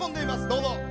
どうぞ。